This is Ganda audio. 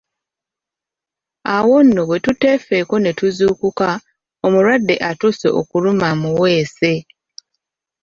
Awo nno bwe tutefeeko ne tuzuukuka omulwadde atuuse okuluma amuweese!